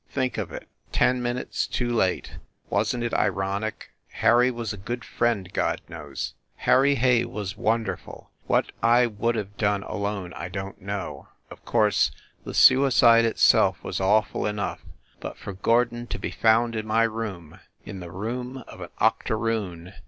... Think of it! Ten minutes too late. ... wasn t it ironic? Harry was a good friend, God knows. ... Harry Hay was wonderful ... what I would have done alone, I don t know. Of course, the sui cide itself was awful enough; but for Gordon to be found in my room, in the room of an octoroon!